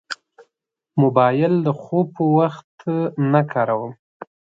موبایل د خوب پر وخت نه کاروم.